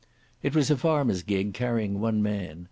It was a farmer's gig carrying one man.